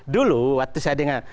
dulu waktu saya dengan